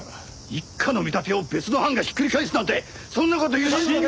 一課の見立てを別の班がひっくり返すなんてそんな事許されるわけが。